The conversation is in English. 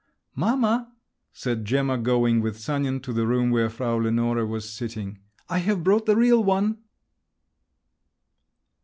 "Mamma," said Gemma, going with Sanin to the room where Frau Lenore was sitting, "I have brought the real one!"